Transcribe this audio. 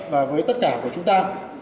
và với tất cả của chúng ta